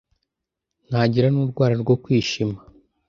Ntagira n’urwara rwo kwishima